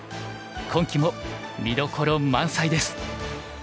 今期も見どころ満載です！